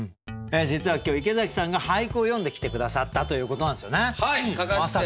実は今日池崎さんが俳句を詠んできて下さったということなんですよね。